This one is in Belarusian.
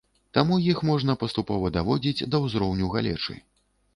Таму іх можна паступова даводзіць да ўзроўню галечы.